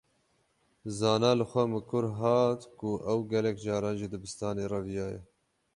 Zana li xwe mikur hat ku ew gelek caran ji dibistanê reviyaye.